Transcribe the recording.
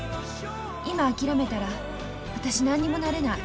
今諦めたら私何にもなれない。